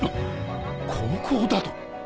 高校だと？